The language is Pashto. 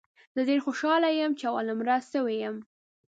زه ډېر خوشاله یم ، چې اول نمره سوی یم